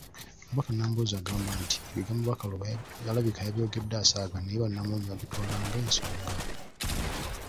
Omubaka Nambooze agamba nti ebigambo Bakaluba alabika yabyogedde asaaga naye bannamawulire ne babitwala ng'ensonga.